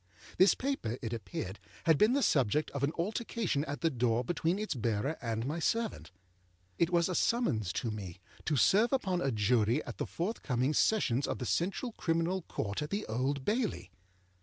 This paper, it appeared, had been the subject of an altercation at the door between its bearer and my servant. It was a summons to me to serve upon a Jury at the forthcoming Sessions of the Central Criminal Court at the Old Bailey.